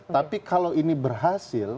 tapi kalau ini berhasil